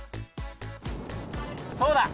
そうだ！